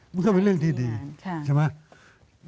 มันก็เป็นเรื่องที่ดีใช่ไหม